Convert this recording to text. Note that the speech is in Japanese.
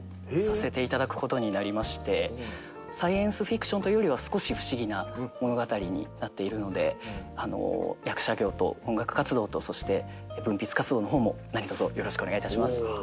サイエンスフィクションというよりは少し不思議な物語になっているので役者業と音楽活動とそして文筆活動の方も何とぞよろしくお願いいたします。